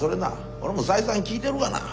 俺も再三聞いてるがな。